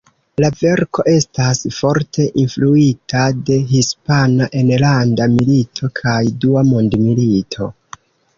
La verko estas forte influita de Hispana enlanda milito kaj Dua mondmilito.